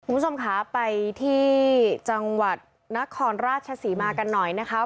คุณผู้ชมค่ะไปที่จังหวัดนครราชศรีมากันหน่อยนะคะ